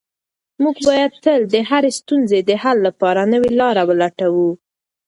موږ باید تل د هرې ستونزې د حل لپاره نوې لاره ولټوو.